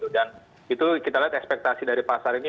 itu kita lihat ekspektasi dari pasar ini